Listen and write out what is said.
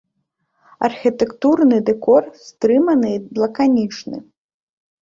Архітэктурны дэкор стрыманы і лаканічны.